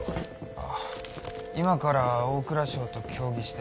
あぁ今から大蔵省と協議して。